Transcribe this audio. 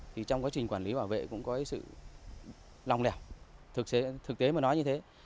thì trong quá trình quản lý bảo vệ cũng có sự lòng lẻo thực tế mà nói như thế